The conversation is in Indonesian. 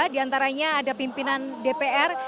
di antaranya ada pimpinan dpr